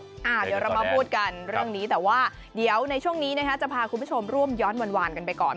เดี๋ยวเรามาพูดกันเรื่องนี้แต่ว่าเดี๋ยวในช่วงนี้จะพาคุณผู้ชมร่วมย้อนหวานกันไปก่อน